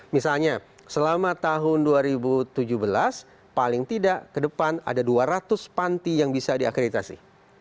misalnya selama tahun dua ribu tujuh belas paling tidak ke depan ada dua ratus panti yang bisa diakreditasi